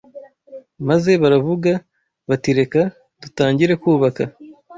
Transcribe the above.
maze baravuga batireka dutangire kubaka